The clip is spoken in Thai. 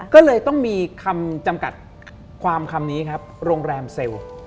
ก็เลยต้องมีคำจำกัดความคำนี้ครับโรงแรมเซลล์